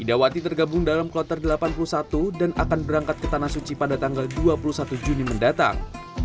idawati tergabung dalam kloter delapan puluh satu dan akan berangkat ke tanah suci pada tanggal dua puluh satu juni mendatang